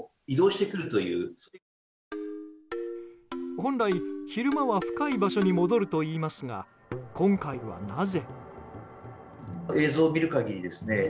本来、昼間は深い場所に戻るといいますが今回はなぜ？